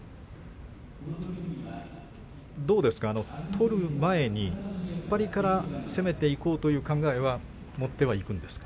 どうですか、取る前に突っ張りから攻めていこうという考えはそうですね。